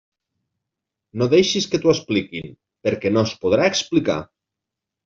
No deixis que t'ho expliquin, perquè no es podrà explicar!